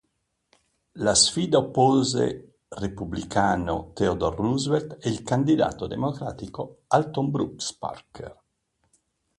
La sfida oppose repubblicano Theodore Roosevelt e il candidato democratico Alton Brooks Parker.